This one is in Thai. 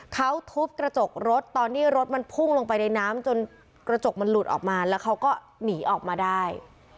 เขาทุบกระจกรถตอนที่รถมันพุ่งลงไปในน้ำจนกระจกมันหลุดออกมาแล้วเขาก็หนีออกมาได้